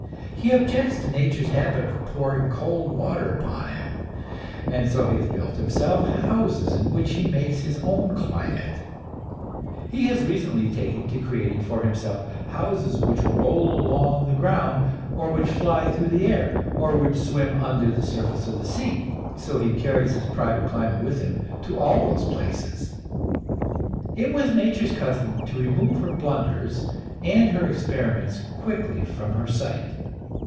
He objects to nature's habit of pouring cold water upon him, and so he has built himself houses in which he makes his own climate; he has recently taken to creating for himself houses which roll along the ground, or which fly through the air, or which swim under the surface of the sea; so he carries his private climate with him to all these places. It was nature's custom to remove her blunders and her experiments quickly from her sight.